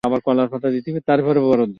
আমার কাছে দাও।